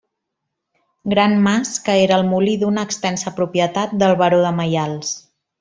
Gran Mas que era el molí d'una extensa propietat del Baró de Maials.